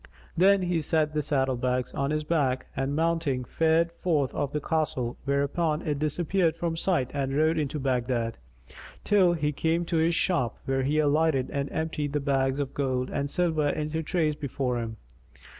Then he set the saddle bags on his back and mounting, fared forth of the Castle, whereupon it disappeared from sight and he rode into Baghdad, till he came to his shop, where he alighted and emptied the bags of gold and silver into the trays before him.